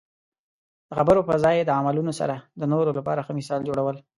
د خبرو په ځای د عملونو سره د نورو لپاره ښه مثال جوړول.